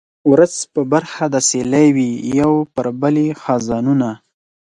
ورځ په برخه د سیلۍ وي یو پر بل یې خزانونه